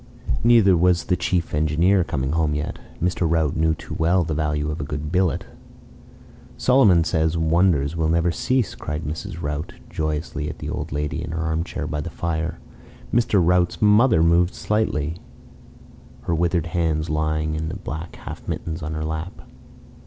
Neither was the chief engineer coming home yet. Mr. Rout knew too well the value of a good billet. "Solomon says wonders will never cease," cried Mrs. Rout joyously at the old lady in her armchair by the fire. Mr. Rout's mother moved slightly, her withered hands lying in black half mittens on her lap.